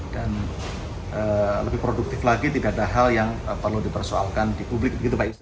dan lebih produktif lagi tidak ada hal yang perlu dipersoalkan di publik